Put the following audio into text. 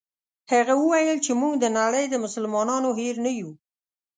هغه وویل چې موږ د نړۍ د مسلمانانو هېر نه یو.